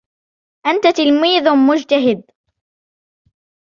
انت تلميذ مجتهد